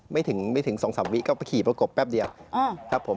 ไม่ถึงสองสามวิก็ไปขี่ประกบแป๊บเดียวครับผม